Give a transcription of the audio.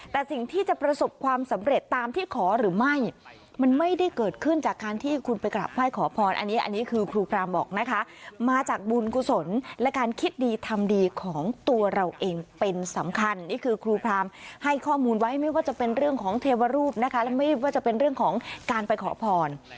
แต่สิ่งที่จะประสบความสำเร็จตามที่ขอหรือไม่มันไม่ได้เกิดขึ้นจากการที่คุณไปกราบไหว้ขอพรอันนี้อันนี้คือครูพรามบอกนะคะมาจากบุญกุศลและการคิดดีทำดีของตัวเราเองเป็นสำคัญนี่คือครูพรามให้ข้อมูลไว้ไม่ว่าจะเป็นเรื่องของเทวรูปนะคะและไม่ว่าจะเป็นเรื่องของการไปขอพร